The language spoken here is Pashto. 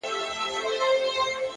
نیک اخلاق د خلکو په یاد پاتې کېږي!.